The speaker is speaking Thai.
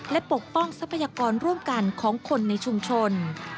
และปกป้องทรัพยากรร่วมกันของคนในชุมชน